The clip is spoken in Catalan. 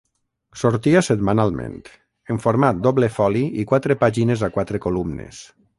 Sortia setmanalment, en format doble foli i quatre pàgines a quatre columnes.